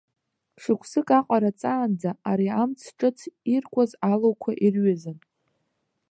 Шықәсык аҟара ҵаанӡа ари амц ҿыц иркәаз алуқәа ирҩызан.